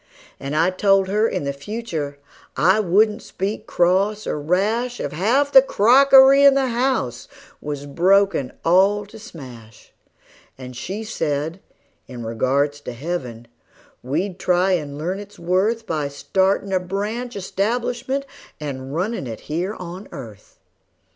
And I told her in the future I wouldn't speak cross or rash If half the crockery in the house was broken all to smash; And she said, in regards to heaven, we'd try and learn its worth By startin' a branch establishment and runnin' it here on earth.